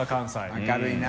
明るいな。